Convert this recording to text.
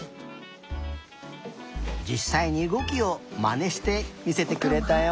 じっさいにうごきをまねしてみせてくれたよ。